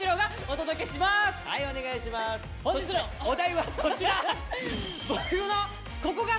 そしてお題はこちら！